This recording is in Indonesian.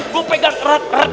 gue pegang erat erat